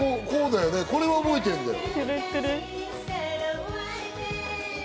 これは覚えてるんだよね。